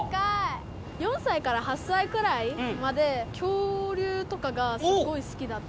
４さいから８さいくらいまで恐竜とかがすごいすきだった。